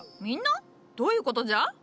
みんな？どういうことじゃ？